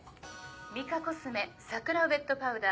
ミカコスメ桜ウェットパウダー。